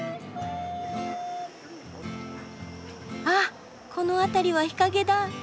ああこの辺りは日陰だ！